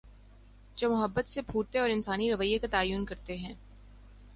جومحبت سے پھوٹتے اور انسانی رویے کا تعین کر تے ہیں۔